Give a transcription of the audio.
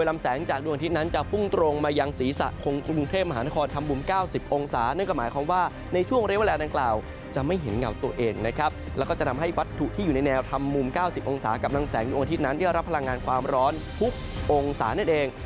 แล้วก็จะทำให้วัตถุที่อยู่ในแนวธรรม๙๐องศากำลังแสงวิวงศ์อาทิตย์นั้นที่จะรับพลังงานความร้อนทุกองศานั่นเอง